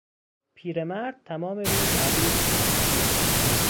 پیرمرد تمام روز عبوس بود.